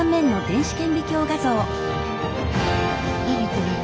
何これ？